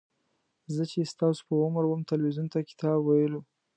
زه چې ستاسو په عمر وم تلویزیون ته کتاب ویلو.